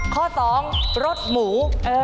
ข้อ๒รสหมู